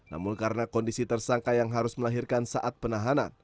namun karena kondisi tersangka yang harus melahirkan saat penahanan